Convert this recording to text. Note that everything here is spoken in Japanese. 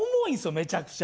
めちゃくちゃ。